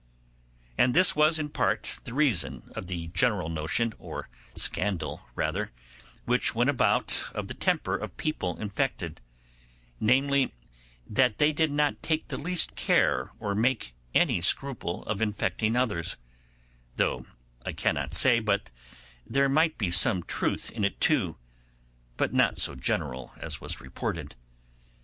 And this was in part the reason of the general notion, or scandal rather, which went about of the temper of people infected: namely, that they did not take the least care or make any scruple of infecting others, though I cannot say but there might be some truth in it too, but not so general as was reported.